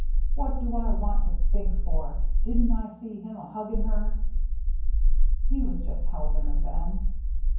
What do I want to think for? Didn't I see him a hugging her?" " He was just helping her then."